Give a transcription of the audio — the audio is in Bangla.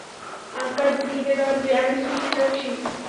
আজ্ঞা নিবেদন যে, আমি শ্রুতি চকশী।